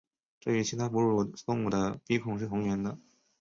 这与其他哺乳动物的鼻孔是同源的。